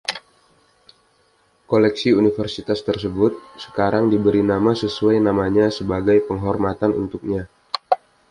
Koleksi Universitas tersebut sekarang diberi nama sesuai namanya sebagai penghormatan untuknya.